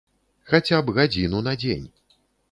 Хаця б гадзіну на дзень.